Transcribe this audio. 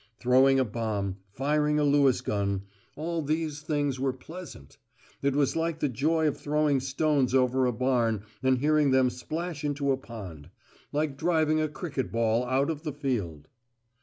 Throwing a bomb, firing a Lewis gun, all these things were pleasant. It was like the joy of throwing stones over a barn and hearing them splash into a pond; like driving a cricket ball out of the field.